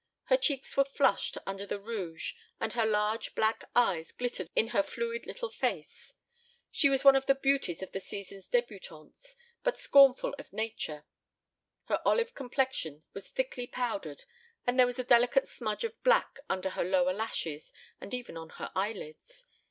Her cheeks were flushed under the rouge and her large black eyes glittered in her fluid little face. She was one of the beauties of the season's débutantes, but scornful of nature. Her olive complexion was thickly powdered and there was a delicate smudge of black under her lower lashes and even on her eyelids.